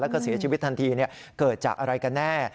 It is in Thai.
แล้วก็เสียชีวิตทันทีเกิดจากอะไรกันแน่